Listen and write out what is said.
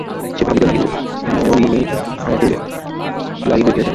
সে ভাবিতে লাগিল, হেমনলিনীর আমাকে কেমন লাগিবে কে জানে।